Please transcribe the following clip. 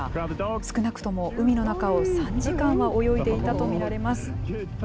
少なくとも海の中を３時間は泳いでいたと見られます。